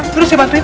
terus siapa ntrip